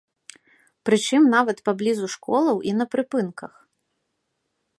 Прычым нават паблізу школаў і на прыпынках.